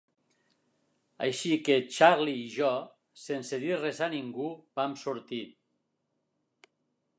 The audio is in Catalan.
Així que Charley i jo, sense dir res a ningú, vam sortir.